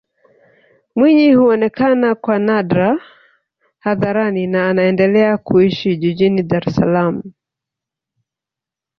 Mwinyi huonekana kwa nadra hadharani na anaendelea kuishi jijini Dar es Salaam